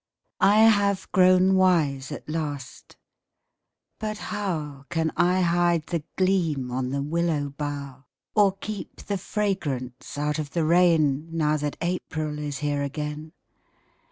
I have grown wise at last but how Can I hide the gleam on the willow bough, Or keep the fragrance out of the rain Now that April is here again?